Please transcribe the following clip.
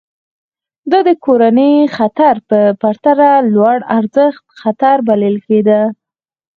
دا د کورنۍ د خطر په پرتله لوړارزښت خطر بلل کېده.